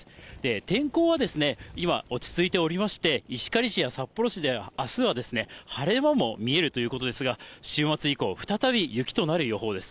天候は今、落ち着いておりまして、石狩市や札幌市では、あすは晴れ間も見えるということですが、週末以降、再び雪となる予報です。